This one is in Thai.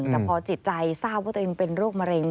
แต่พอจิตใจทราบว่าตัวเองเป็นโรคมะเร็ง